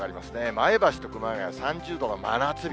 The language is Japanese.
前橋と熊谷、３０度の真夏日。